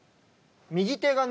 右手がね